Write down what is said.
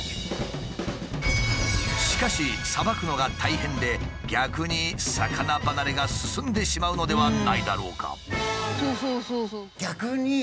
しかしさばくのが大変で逆に魚離れが進んでしまうのではないだろうか？